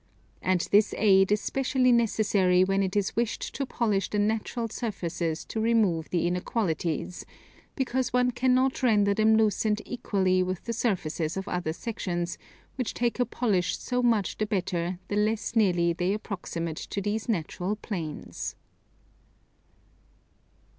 And this aid is specially necessary when it is wished to polish the natural surfaces to remove the inequalities; because one cannot render them lucent equally with the surfaces of other sections, which take a polish so much the better the less nearly they approximate to these natural planes.